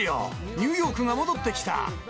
ニューヨークが戻ってきた。